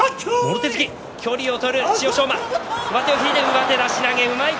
上手出し投げ、うまい。